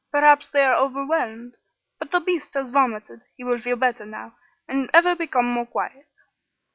Perhaps they are overwhelmed. But the beast has vomited; he will feel better now, and ever become more quiet."